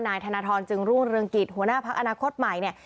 นายธนทรจึงรุ่งเรืองกิจหัวหน้าพักอนาคตใหม่เนี่ย